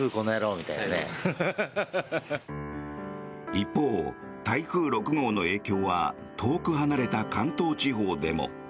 一方、台風６号の影響は遠く離れた関東地方でも。